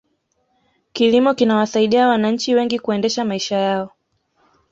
kilimo kinawasaidia wananchi wengi kuendesha maisha yao